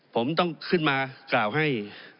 ผมต้องขึ้นมากล่าวให้